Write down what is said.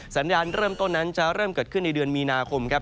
สัญญาณเริ่มต้นนั้นจะเริ่มเกิดขึ้นในเดือนมีนาคมครับ